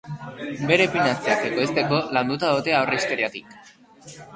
Bere pinaziak ekoizteko landatu dute aurrehistoriatik.